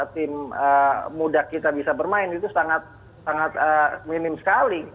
tim muda kita bisa bermain itu sangat minim sekali